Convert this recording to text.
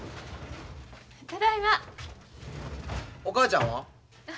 お母ちゃんは？